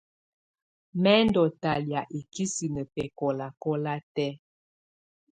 Mɛ̀ ndù talɛ̀́á ikisinǝ bɛkɔlakɔla tɛ̀́á.